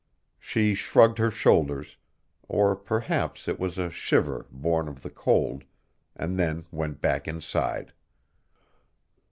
She shrugged her shoulders, or perhaps it was a shiver born of the cold, and then went back inside.